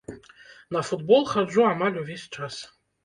На футбол хаджу амаль увесь час.